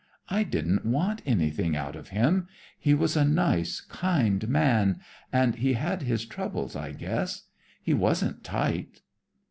"I didn't want anything out of him. He was a nice, kind man, and he had his troubles, I guess. He wasn't tight."